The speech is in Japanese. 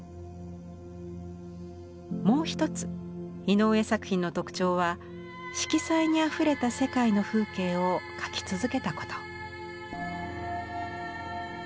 もう一つ井上作品の特徴は色彩にあふれた世界の風景を描き続けたこと。